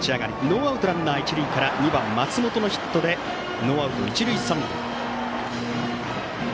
ノーアウトランナー、一塁から２番、松本のヒットでノーアウト、一塁三塁。